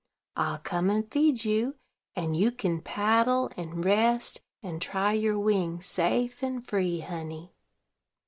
I'll come and feed you, and you kin paddle, and rest, and try your wings, safe and free, honey."